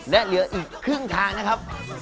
และเหลืออีกครึ่งทางนะครับ